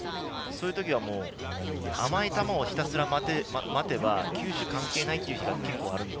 そういうときは甘い球をひたすら待てば球種は関係ないという日があります。